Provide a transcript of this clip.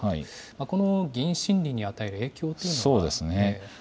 この議員心理に与える影響というのは。